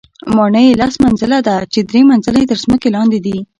ماڼۍ یې لس منزله ده، چې درې منزله یې تر ځمکې لاندې دي.